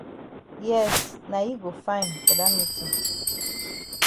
Yes na yi go fine for dat meetin.